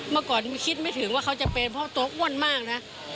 เมื่อก่อนคิดไม่ถึงว่าเขาจะเป็นเพราะตัวอ้วนมากนะ